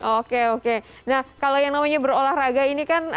oke oke nah kalau yang namanya berolahraga ini kan